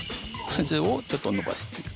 藤を、ちょっと伸ばしている。